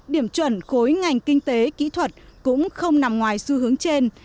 điểm chuẩn khối ngành kinh tế kỹ thuật cũng không nằm ngoài xu hướng trên